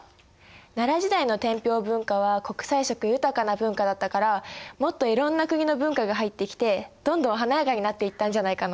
奈良時代の天平文化は国際色豊かな文化だったからもっといろんな国の文化が入ってきてどんどん華やかになっていったんじゃないかな。